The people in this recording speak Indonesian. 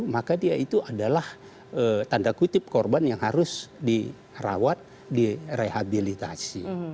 maka dia itu adalah tanda kutip korban yang harus dirawat direhabilitasi